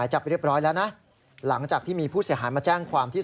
หลังจากที่มีผู้เสียหายมาแจ้งความที่